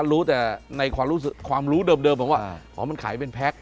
รู้แต่ในความรู้เดิมผมว่าอ๋อมันขายเป็นแพ็ค